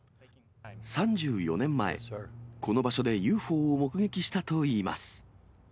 ３４年前、この場所でＵＦＯを目撃したといいます。